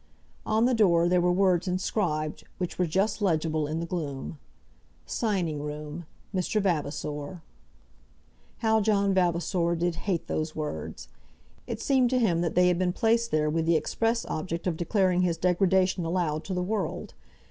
On the door there were words inscribed, which were just legible in the gloom "Signing Room. Mr. Vavasor." How John Vavasor did hate those words! It seemed to him that they had been placed there with the express object of declaring his degradation aloud to the world.